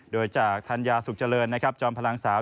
โดยจากธัญญาสุขเจริญจอมพลังสาว